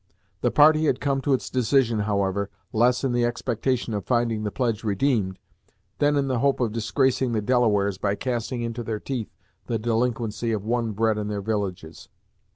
The party had come to its decision, however, less in the expectation of finding the pledge redeemed, than in the hope of disgracing the Delawares by casting into their teeth the delinquency of one bred in their villages.